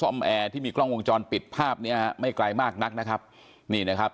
ไม่มีครับไม่มีลงเพจนะครับ